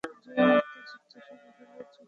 মুক্তিযুদ্ধ শুরু হলে যুদ্ধে যোগ দেন।